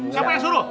siapa yang disuruh